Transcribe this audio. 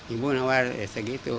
ibu nawar segitu